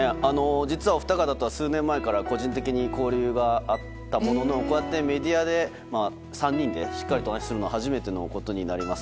実はお二方とは数年前から個人的に交流があったもののこうやってメディアで３人でしっかりとお話しするのは初めてのことになります。